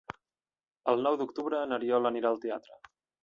El nou d'octubre n'Oriol anirà al teatre.